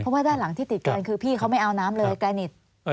เพราะว่าด้านหลังที่ติดกันคือพี่เขาไม่เอาน้ำเลยแกนิด